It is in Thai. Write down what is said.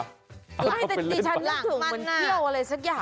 ไม่แต่ที่ชั้นหลังมันนึกถึงเหมือนเที่ยวอะไรสักอย่าง